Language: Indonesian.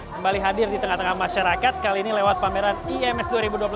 kembali hadir di tengah tengah masyarakat kali ini lewat pameran ims dua ribu dua puluh tiga